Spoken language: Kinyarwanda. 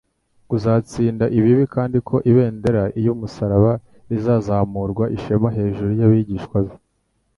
kuzatsinda ibibi kandi ko ibendera iy'umusaraba rizazamuranwa ishema hejuru y'abigishwa be.